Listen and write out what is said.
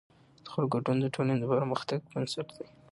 د خلکو ګډون د ټولنې د پرمختګ بنسټ دی